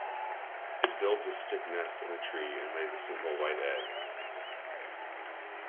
It builds a stick nest in a tree and lays a single white egg.